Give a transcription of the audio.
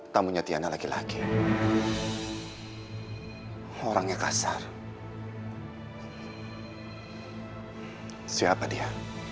tamunya tiana laki laki orangnya kasar siapa dia